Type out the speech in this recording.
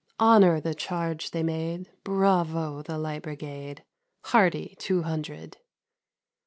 Honour the Charge they made— ISravo the Light Brigade ! Hearty Two Hundred